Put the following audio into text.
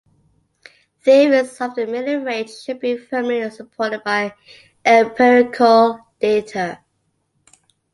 Theories of the middle range should be firmly supported by empirical data.